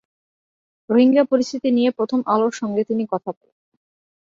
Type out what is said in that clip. রোহিঙ্গা পরিস্থিতি নিয়ে প্রথম আলোর সঙ্গে তিনি কথা বলেন।